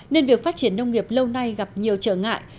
nên việc phát triển nông nghiệp lâu nay gặp nhiều trở ngại